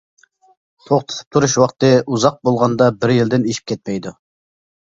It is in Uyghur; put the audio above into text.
توختىتىپ تۇرۇش ۋاقتى ئۇزاق بولغاندا بىر يىلدىن ئېشىپ كەتمەيدۇ.